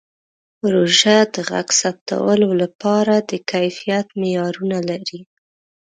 پروژه د غږ ثبتولو لپاره د کیفیت معیارونه لري.